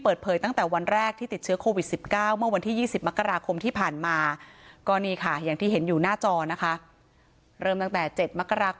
ไปดื่มสุราในร้านอาหาร